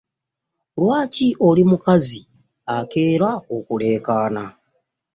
Lwaki oli omukazi akeera kuleekaana?